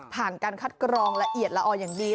ผ่านการคัดกรองละเอียดละออนอย่างนี้